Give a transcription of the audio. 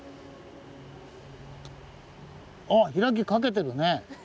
あっ開きかけてるね。